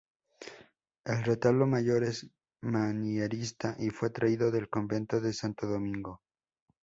El retablo mayor es manierista y fue traído del convento de Santo Domingo.